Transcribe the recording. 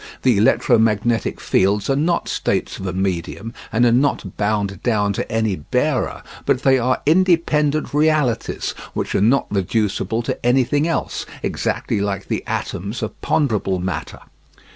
The electromagnetic fields are not states of a medium, and are not bound down to any bearer, but they are independent realities which are not reducible to anything else, exactly like the atoms of ponderable matter.